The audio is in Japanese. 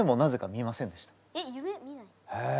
えっ夢見ない？へえ。